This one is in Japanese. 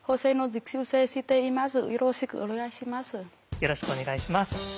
よろしくお願いします。